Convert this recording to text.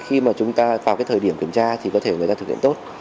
khi mà chúng ta vào cái thời điểm kiểm tra thì có thể người ta thực hiện tốt